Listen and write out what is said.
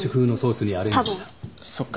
そっか。